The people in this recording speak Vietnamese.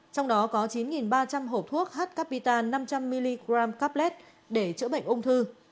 trong đó có chín ba trăm linh hộp thuốc h capita năm trăm linh mg caplete để chữa bệnh ung thư